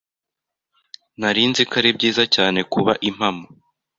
Nari nzi ko ari byiza cyane kuba impamo.